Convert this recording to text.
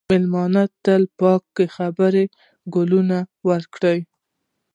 مېلمه ته د پاکو خبرو ګلونه ورکړه.